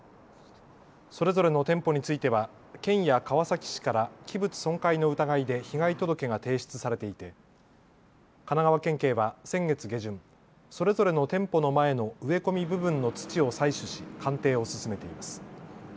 それぞれの店舗については県や川崎市から器物損壊の疑いで被害届が提出されていて神奈川県警は先月下旬、それぞれの店舗の前の植え込み部分の土を採取し鑑定を進めています。